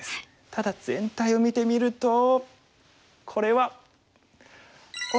ただ全体を見てみるとこれは。